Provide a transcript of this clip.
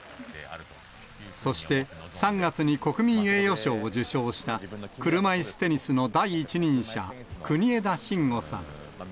そして、３月に国民栄誉賞を受賞した、車いすテニスの第一人者、国枝慎吾さん。